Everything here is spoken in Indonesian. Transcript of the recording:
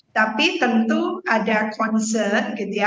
tapi tentu ada concern gitu ya